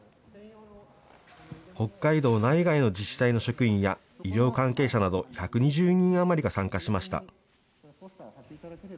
北海道内外の自治体の職員や、医療関係者など１２０人余りが参加しました。